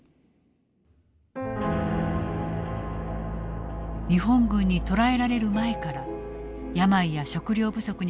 日本軍に捕らえられる前から病や食料不足に苦しんでいた捕虜たち。